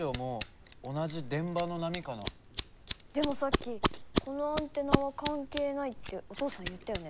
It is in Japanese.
でもさっきこのアンテナは関係ないってお父さん言ったよね。